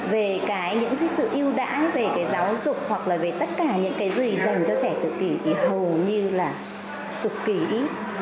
về những sự yêu đãi về giáo dục hoặc là về tất cả những cái gì dành cho trẻ tự kỳ thì hầu như là tự kỳ